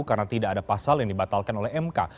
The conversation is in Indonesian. karena tidak ada pasal yang dibatalkan oleh mk